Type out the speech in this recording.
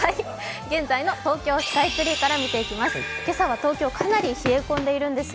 現在の東京スカイツリーからの映像です。